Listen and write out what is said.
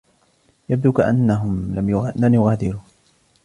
يبدو كأنهم لن يغادروا.